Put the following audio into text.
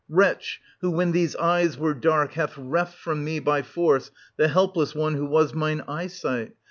Wretch, who, when these eyes were dark, hast reft from me by force the helpless one who was mine eyesight